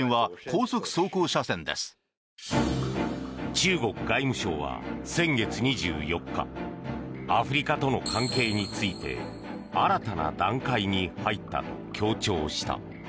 中国外務省は先月２４日アフリカとの関係について新たな段階に入ったと強調した。